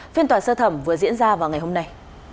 phiên tòa sơ thẩm vừa diễn ra vào ngày hôm nay